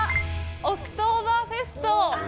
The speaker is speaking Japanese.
オクトーバーフェスト。